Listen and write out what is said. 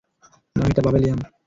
না, এটা Bubble yam.